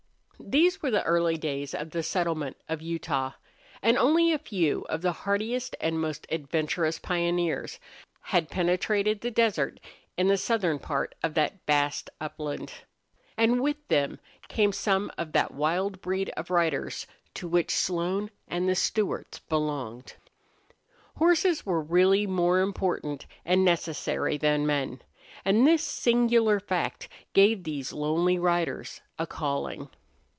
These were the early days of the settlement of Utah, and only a few of the hardiest and most adventurous pioneers had penetrated the desert in the southern part of that vast upland. And with them came some of that wild breed of riders to which Slone and the Stewarts belonged. Horses were really more important and necessary than men; and this singular fact gave these lonely riders a calling.